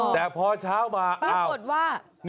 แต่พอเช้ามา